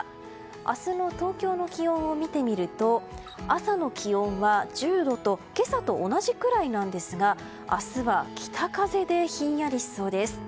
明日の東京の気温を見てみると朝の気温は１０度と今朝と同じくらいなんですが明日は北風でひんやりしそうです。